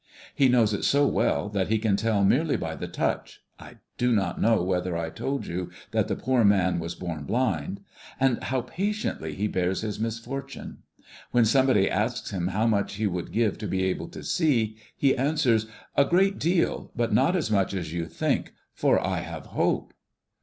He knows it so well that he can tell merely by the touch I do not know whether I told you that the poor man was born blind. And how patiently he bears his misfortune! When anybody asks him how much he would give to be able to see, he answers, 'A great deal, but not as much as you think, for I have hope.'